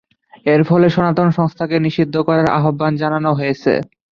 এর ফলে সনাতন সংস্থাকে নিষিদ্ধ করার আহ্বান জানানো হয়েছে।